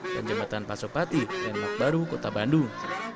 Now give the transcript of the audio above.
dan jembatan pasopati rembang baru kota bandung